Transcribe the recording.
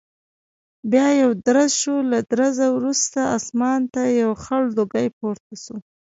بیا یو درز شو، له درزه وروسته اسمان ته یو خړ لوګی پورته شو.